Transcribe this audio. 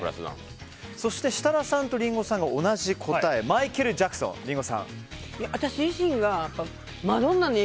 そして設楽さんとリンゴさんが同じ答えマイケル・ジャクソンですね